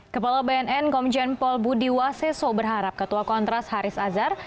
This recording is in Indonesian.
kepala bnn komjen paul budi waseso berharap ketua kontras haris azhar